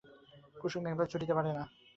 কুসুম ওভাবে ছুটিতে পারে না।